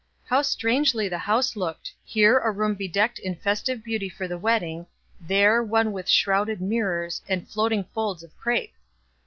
How strangely the house looked here a room bedecked in festive beauty for the wedding; there one with shrouded mirrors, and floating folds of crape!